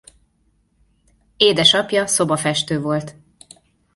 Édesapja szobafestő volt.